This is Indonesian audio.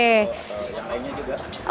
yang lainnya juga